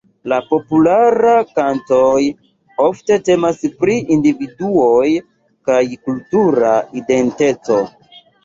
La popularaj kantoj ofte temas pri individuoj kaj kultura identeco.